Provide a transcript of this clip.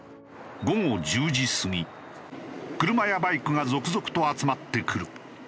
午後１０時過ぎ車やバイクが続々と集まってくる。